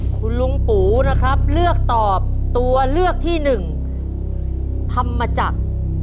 คุณลุ้งปูนะครับเลือกตอบตัวเลือกที่๑ทำมาจาก